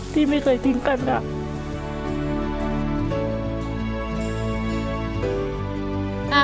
ที่ไม่เคยทิ้งกันค่ะ